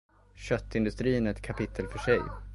Köttindustrin är ett kapitel för sig.